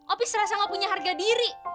opi serasa gak punya harga diri